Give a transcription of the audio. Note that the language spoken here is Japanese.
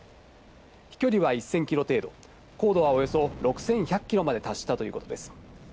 飛距離は１０００キロ程度、高度はおよそ６１００キロまで達したということです。